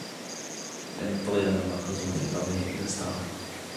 لِأَنَّ الطُّغْيَانَ مَرْكُوزٌ فِي طَبْعِهِ إذَا اسْتَغْنَى